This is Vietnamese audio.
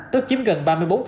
tức chiếm gần ba mươi bốn